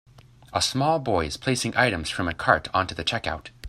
A small boy is placing items from a cart onto the check out.